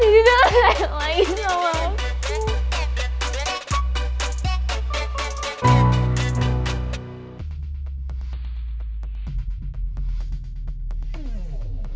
dia lelahin lagi sama aku